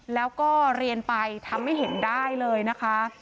แล้วก็เรียนไปทำให้เห็นได้เลยนะคะ